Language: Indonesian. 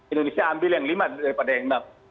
indonesia ambil yang lima daripada yang enam